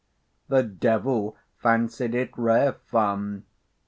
The devil fancied it rare fun.